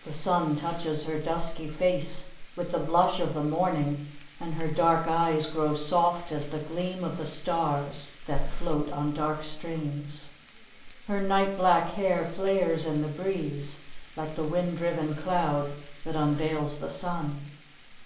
The sun touches her dusky face with the blush of the morning, and her dark eyes grow soft as the gleam of the stars that float on dark streams. Her night black hair flares in the breeze like the wind driven cloud that unveils the sun.